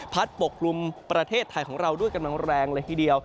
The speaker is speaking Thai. ปกกลุ่มประเทศไทยของเราด้วยกำลังแรงเลยทีเดียว